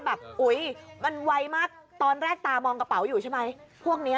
แบบโอ้ยมันไวมากตอนแรกตามองกระเป๋าอยู่ใช่ไหม